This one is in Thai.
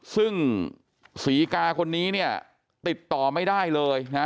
ซึ่งศรีกาคนนี้เนี่ยติดต่อไม่ได้เลยนะ